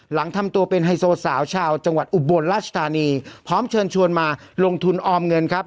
หลังทำตัวเป็นไฮโซสาวชาวจังหวัดอุบลราชธานีพร้อมเชิญชวนมาลงทุนออมเงินครับ